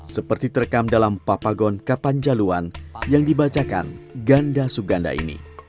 seperti terekam dalam papagon kapanjaluan yang dibacakan ganda suganda ini